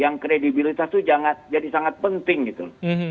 yang kredibilitas itu jadi sangat penting gitu loh